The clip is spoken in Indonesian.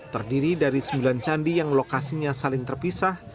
terdiri dari sembilan candi yang lokasinya saling terpisah